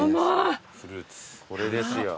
これですよ。